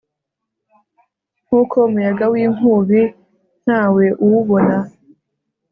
nk'uko umuyaga w'inkubi nta we uwubona